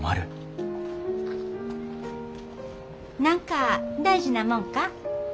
何か大事なもんか？